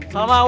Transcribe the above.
salah apa ah